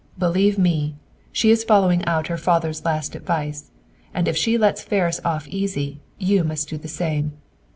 "Believe me, she is following out her father's last advice; and if she lets Ferris off easy, you must do the same!